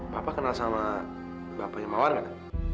bapak kenal sama bapaknya mawar nggak